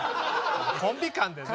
コンビ間でね。